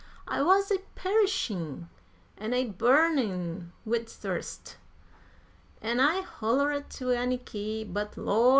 I wuz a perishin' an' a burnin' wid thirst, an' I hollered to Anniky; but Lor'!